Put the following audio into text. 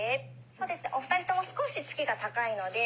そうですねお二人とも少し突きが高いので」。